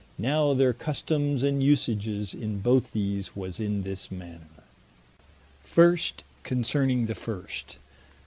Now their customes and usages in both these was in this manner. First, concerning the first.